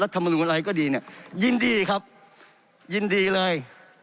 ธรรมนูลอะไรก็ดีเนี่ยยินดีครับยินดีเลย